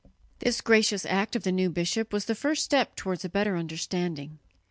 This gracious act of the new bishop was the first step towards a better understanding.